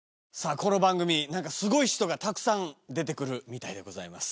この番組すごい人がたくさん出て来るみたいでございます。